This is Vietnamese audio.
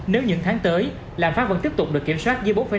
nếu những tháng tới làm phát vẫn tiếp tục được kiểm soát dưới bốn năm